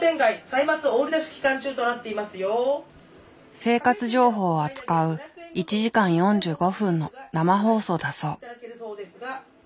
生活情報を扱う１時間４５分の生放送だそう。